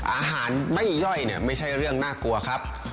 อาหารไม่ย่อยเนี่ยไม่ใช่เรื่องน่ากลัวครับ